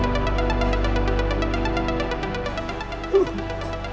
pangeran mengalami kelumpuhan pada kakinya